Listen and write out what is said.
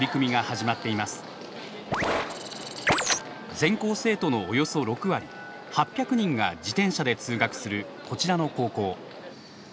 全校生徒のおよそ６割８００人が自転車で通学するこちらの高校。